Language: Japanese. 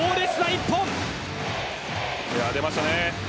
出ましたね。